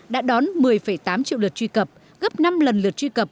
đã đón một mươi tám triệu lượt truy cập gấp năm lần lượt truy cập